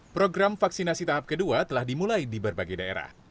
program vaksinasi tahap kedua telah dimulai di berbagai daerah